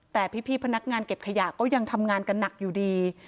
แต่พี่พนักงานเก็บขยะก็ยังทำงานกันหนักอยู่ดี